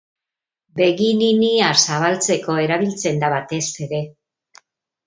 Begi-ninia zabaltzeko erabiltzen da batez ere.